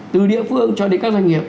từ địa phương cho đến các doanh nghiệp